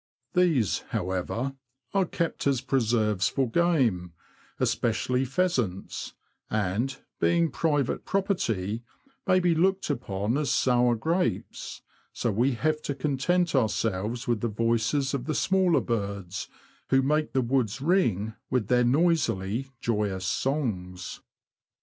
These, however, are kept as preserves for game, especially pheasants, and, being private property, may be looked upon as sour grapes ; so we have to con tent ourselves with the voices of the smaller birds, who make the woods ring with their noisily joyous songs.